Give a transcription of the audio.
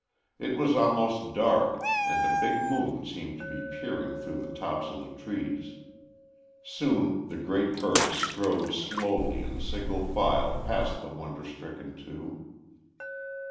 It was almost dark and a big moon seemed to be peering through the tops of the trees. Soon the great birds strode slowly in single file past the wonder stricken two.